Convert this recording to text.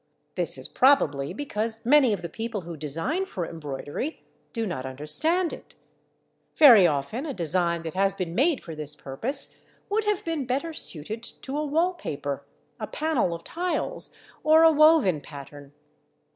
This is probably because many of the people who design for embroidery do not understand it. Very often a design that has been made for this purpose would have been better suited to a wall paper, a panel of tiles, or a woven pattern.